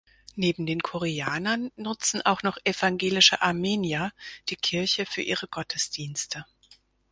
Neben den Koreanern nutzen auch noch evangelische Armenier die Kirche für ihre Gottesdienste.